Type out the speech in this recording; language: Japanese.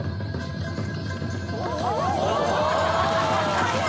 速い！